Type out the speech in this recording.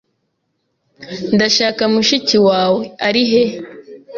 Ndashaka mushiki wawe. Ari he?